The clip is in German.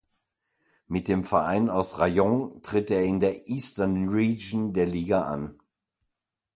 Mit dem Verein aus Rayong tritt er in der "Eastern Region" der Liga an.